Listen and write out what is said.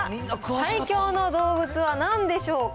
最強の動物はなんでしょうか。